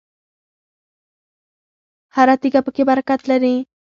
هره تیږه پکې برکت لري.